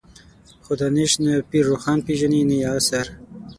خو دانش نه پير روښان پېژني نه يې عصر.